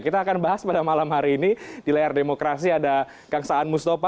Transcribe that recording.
kita akan bahas pada malam hari ini di layar demokrasi ada kang saan mustafa